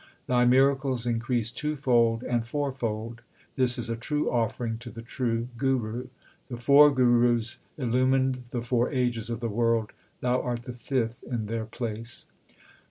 Thy miracles increase twofold and fourfold ; this is a true offering to the true Guru. 1 The four Gurus illumined the four ages of the world ; thou art the fifth in their place.